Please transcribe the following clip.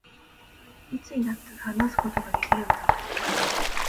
いつになったら、話すことができるんだ